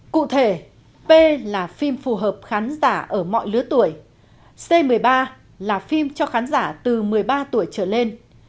cụ thể p là phim phù hợp khán giả ở mọi lứa tuổi c một mươi ba là phim cho khán giả từ một mươi ba tuổi trở lên